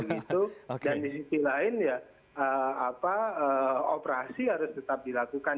dan di sisi lain ya operasi harus tetap dilakukan